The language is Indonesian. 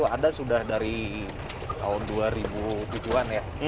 ada sudah dari tahun dua ribu tujuh an ya